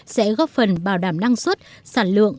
sẽ góp phần bảo đảm năng suất sản lượng